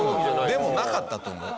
でもなかったと思う。